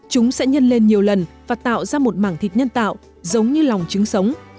chúng sẽ nhân lên nhiều lần và tạo ra một mảng thịt nhân tạo giống như lòng trứng sống